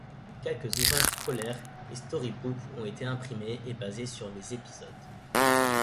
Quelques ouvrages scolaires et storybooks ont été imprimés et basés sur les épisodes.